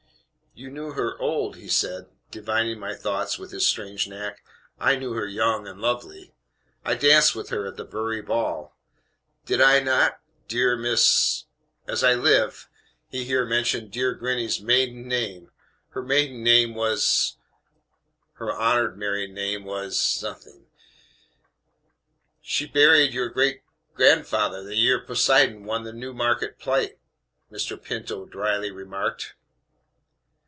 "YOU knew her old," he said, divining my thoughts (with his strange knack); "I knew her young and lovely. I danced with her at the Bury ball. Did I not, dear, dear Miss ?" As I live, he here mentioned dear gr nny's MAIDEN name. Her maiden name was . Her honored married name was . "She married your great gr ndf th r the year Poseidon won the Newmarket Plate," Mr. Pinto dryly remarked.